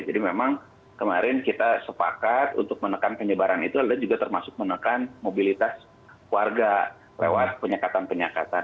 jadi memang kemarin kita sepakat untuk menekan penyebaran itu dan juga termasuk menekan mobilitas warga lewat penyekatan penyekatan